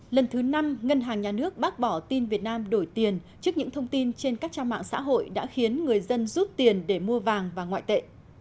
lần thứ năm ngân hàng nhà nước bác bỏ tin việt nam đổi tiền trước những thông tin trên các trang mạng xã hội đã khiến người dân rút tiền để mua vàng và ngoại tệ